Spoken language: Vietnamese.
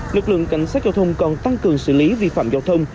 lực lượng cảnh sát giao thông còn tăng cường xử lý vi phạm giao thông